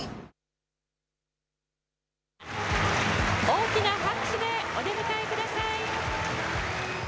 大きな拍手でお出迎えください。